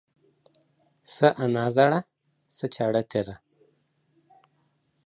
څه انا زړه ، څه چاړه تيره.